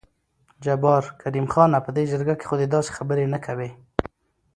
جبار: کريم خانه په جرګه کې خو دې داسې خبرې نه کوې.